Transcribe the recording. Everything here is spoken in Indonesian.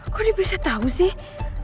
kok dia bisa tahu sih